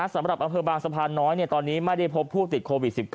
อำเภอบางสะพานน้อยตอนนี้ไม่ได้พบผู้ติดโควิด๑๙